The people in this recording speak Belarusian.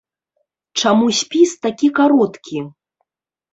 Чаму спіс такі кароткі?